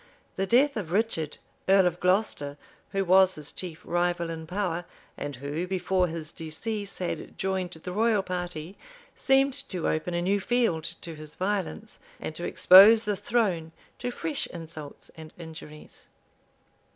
The death of Richard, earl of Glocester, who was his chief rival in power, and who, before his decease, had joined the royal party seemed to open a new field to his violence, and to expose the throne to fresh insults and injuries.